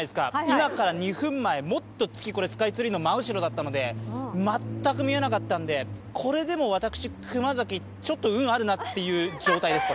今から２分前、もっと月、スカイツリーの真後ろだったので全く見えなかったのでこれでも私、熊崎ちょっと運あるなという状態です。